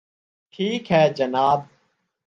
ٹھیک ہے جناب